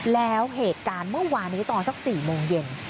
แล้วเหตุการณ์เมื่อวานนี้ตอนสัก๔โมงเย็น